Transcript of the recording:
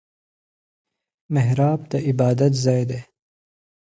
محراب د عبادت ځای دی